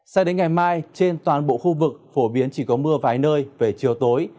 sao đến ngày mai trên toàn bộ khu vực phổ biến chỉ có mưa vài nơi về chiều tối